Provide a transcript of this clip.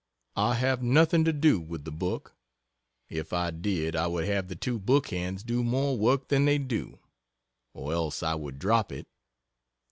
I have nothing to do with the book if I did I would have the two book hands do more work than they do, or else I would drop it.